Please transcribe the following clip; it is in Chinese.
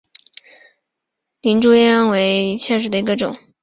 林猪殃殃为茜草科拉拉藤属下的一个种。